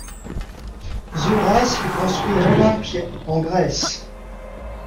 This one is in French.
Zuras fit construire Olympia, en Grèce.